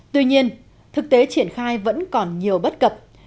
tuy nhiên thực tế triển khai vẫn còn nhiều bất cập